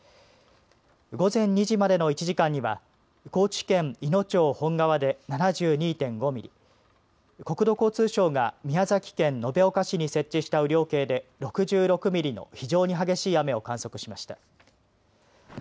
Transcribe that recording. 午前２時までの１時間には高知県いの町本川で７２．５ミリ、国土交通省が宮崎県延岡市に設置した雨量計で６６ミリの非常に激しい雨を観測しました。